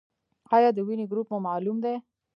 ایا د وینې ګروپ مو معلوم دی؟